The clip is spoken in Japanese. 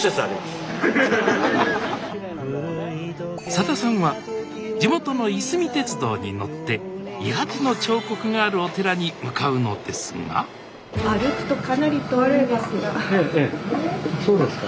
さださんは地元のいすみ鉄道に乗って伊八の彫刻があるお寺に向かうのですがそうですか。